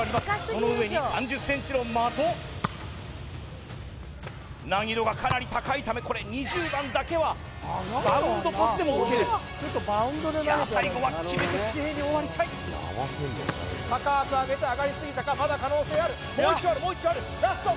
その上に３０ｃｍの的難易度がかなり高いため２０番だけはバウンドパスでもＯＫですいや最後は決めてキレイに終わりたい高く上げた上がりすぎたかまだ可能性あるもう一丁あるもう一丁あるラスト